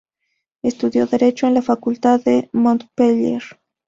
Estudió derecho en la Facultad de Montpellier.